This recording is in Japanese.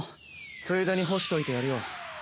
ついでに干しといてやるよ。